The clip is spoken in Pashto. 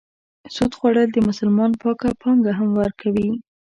سود خوړل د مسلمان پاکه پانګه هم ورکوي.